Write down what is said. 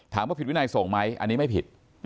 ถามว่าผิดวินัยส่งไหมอันนี้ไม่ผิด